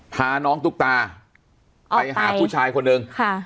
พาน้องตุ๊กตาออกไปไปหาผู้ชายคนหนึ่งค่ะ